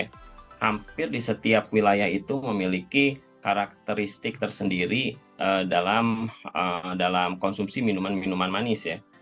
hampir di setiap wilayah itu memiliki karakteristik tersendiri dalam konsumsi minuman minuman manis ya